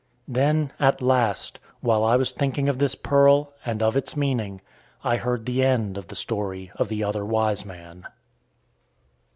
Then, at last, while I was thinking of this pearl, and of its meaning, I heard the end of the story of the other wise man.